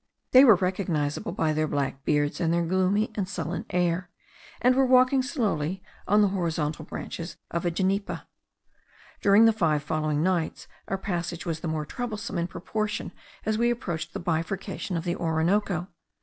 They were recognizable by their black beards and their gloomy and sullen air, and were walking slowly on the horizontal branches of a genipa. During the five following nights our passage was the more troublesome in proportion as we approached the bifurcation of the Orinoco.